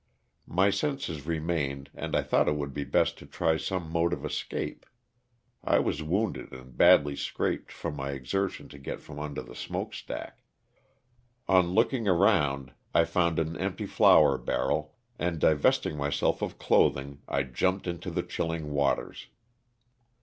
My senses remained and I thought it would be best to try some mode of escape. (I was wounded and badly scraped from my exertion to get from under the smoke stack.) On looking around I found an empty flour barrel, and divesting myself of clothing I jumped into the chilling waters.